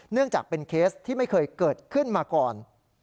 เนื่องจากเป็นเคสที่ไม่เคยเกิดขึ้นมาก่อน